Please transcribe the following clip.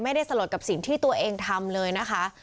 สลดกับสิ่งที่ตัวเองทำเลยนะคะ